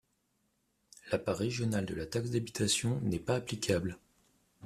La Part régionale de la taxe d'habitation n'est pas applicable.